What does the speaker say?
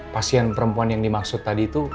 pasien perempuan yang dimaksud tadi itu